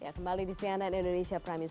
ya kembali di cnn indonesia prime news